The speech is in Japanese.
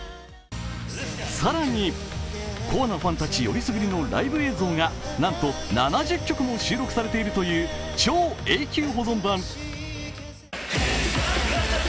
更にコアなファンたちえりすぐりのライブ映像がなんと７０曲も収録されているという超永久保存版。